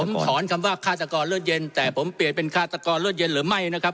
ผมถอนคำว่าฆาตกรเลือดเย็นแต่ผมเปลี่ยนเป็นฆาตกรเลือดเย็นหรือไม่นะครับ